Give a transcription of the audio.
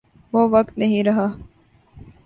وہ وقت نہیں رہا۔